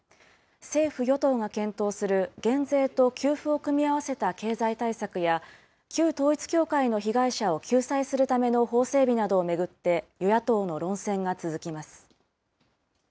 政府・与党が検討する減税と給付を組み合わせた経済対策や、旧統一教会の被害者を救済するための法整備などを巡って、与野党の論戦が続きます。